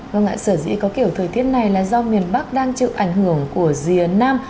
vâng ngại sở dĩ có kiểu thời tiết này là do miền bắc đang chịu ảnh hưởng của rìa nam